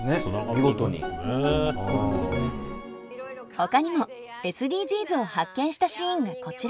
ほかにもＳＤＧｓを発見したシーンがこちら。